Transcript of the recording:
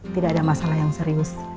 tidak ada masalah yang serius